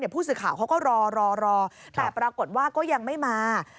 ผู้สื่อข่าวเขาก็รอแต่ปรากฏว่าก็ยังไม่มา